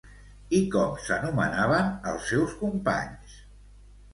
I com s'anomenaven els seus companys?